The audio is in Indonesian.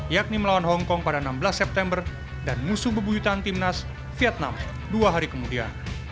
yakni melawan hongkong pada enam belas september dan musuh bebuyutan timnas vietnam dua hari kemudian